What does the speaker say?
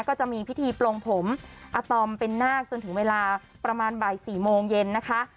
ก็จะมีพิธีปลงผมอาตอมเป็นนาคจนถึงเวลาประมาณบ่าย๔โมงเย็นนะคะ